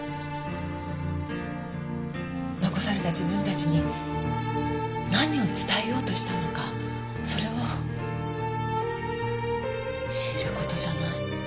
残された自分たちに何を伝えようとしたのかそれを知る事じゃない？